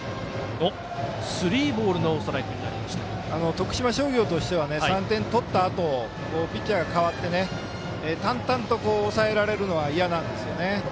徳島商業としては３点取ったあとピッチャーが代わって淡々と抑えられるのは嫌なんですよね。